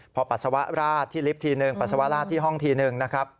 พอปัสสาวะราดที่ลิฟต์ทีนึงปัสสาวะราดที่ห้องทีนึงนะครับ